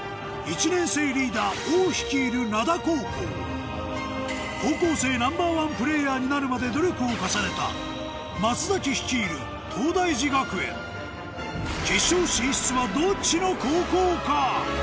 １年生リーダー王率いる高校生Ｎｏ．１プレーヤーになるまで努力を重ねた松率いる決勝進出はどっちの高校か？